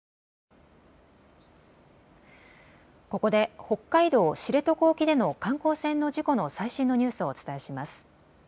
ここで北海道知床沖での観光船の事故の最新のニュースをお伝えします。